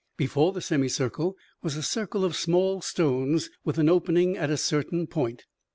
Before the semicircle was a circle of small stones, with an opening at a certain point.